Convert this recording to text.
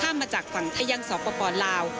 ข้ามมาจากฝั่งไทยังศพปลาว